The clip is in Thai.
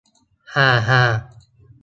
ฮ่า ฮ่า